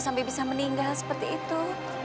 sampai bisa meninggal seperti itu